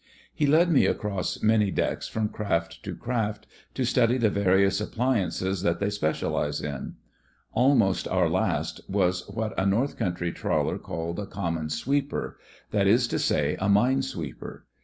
He led me across many decks from craft to craft to study the various appliances that they specialize in. Almost our last was what a North Country trawler called a "common sweeper," that is to say, a mine sweeper.